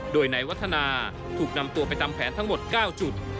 โดยนายวัฒนาถูกนำตัวไปทำแผนทั้งหมด๙จุด